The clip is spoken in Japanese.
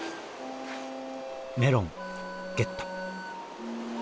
メロンゲット！